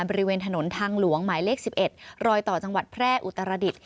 บริเวณถนนทางหลวงหมายเลข๑๑รอยต่อจังหวัดแพร่อุตรดิษฐ